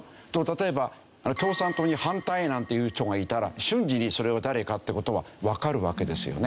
例えば共産党に反対なんていう人がいたら瞬時にそれは誰かって事はわかるわけですよね。